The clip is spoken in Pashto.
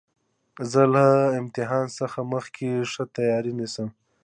زه له امتحان څخه مخکي ښه تیاری نیسم.